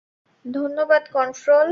ধন্যবাদ, কন্ট্রোল।